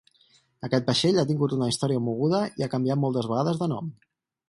Aquest vaixell ha tingut una història moguda i ha canviat moltes vegades de nom.